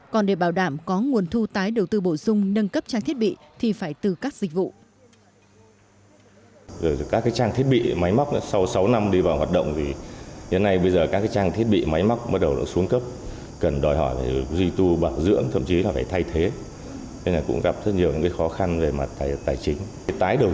còn để bảo đảm có nguồn thu tái đầu tư bổ sung nâng cấp trang thiết bị thì phải từ các dịch vụ